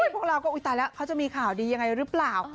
พวกเราก็อุ๊ตายแล้วเขาจะมีข่าวดียังไงหรือเปล่า